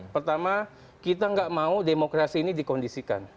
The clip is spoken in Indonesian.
pertama kita nggak mau demokrasi ini dikondisikan